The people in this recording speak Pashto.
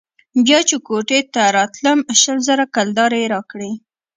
بيا چې كوټې ته راتلم شل زره كلدارې يې راکړې.